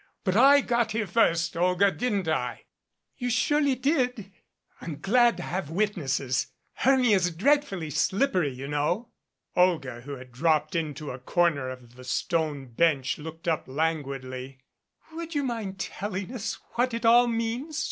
"But I got here first, Olga, didn't I?" "You surely did " "I'm glad to have witnesses. Hermia's dreadfully slippery, you know." Olga, who had dropped into a corner of the stone bench, looked up languidly. "Would you mind telling us what it all means?"